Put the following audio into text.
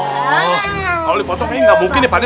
kalau dipotong kayaknya nggak mungkin ya pak de